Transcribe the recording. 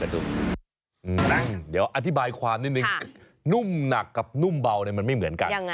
เดี๋ยวอธิบายความนิดนึงนุ่มหนักกับนุ่มเบามันไม่เหมือนกัน